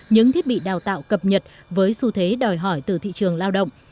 những thiết bị đào tạo cập nhật với xu thế đòi hỏi từ thị trường lao động